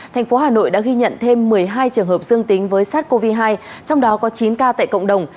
thành phố hà nội đã ghi nhận thêm một mươi hai trường hợp dương tính với sars cov hai trong đó có chín ca tại cộng đồng